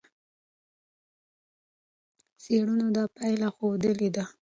څېړنو دا پایله ښودلې ده.